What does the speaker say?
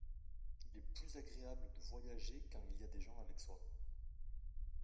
Il est plus agréable de voyager quand il y a des gens avec soi.